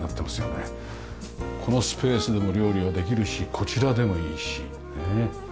このスペースでも料理はできるしこちらでもいいし。